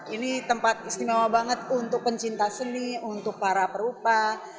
ini tempat istimewa banget untuk pencinta seni untuk para perupa